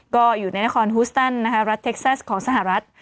ก็อยู่ในนครฮูสตันรัฐเท็กซัสของสหรัฐ